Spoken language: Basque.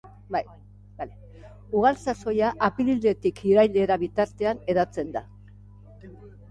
Ugal sasoia apiriletik irailera bitartean hedatzen da.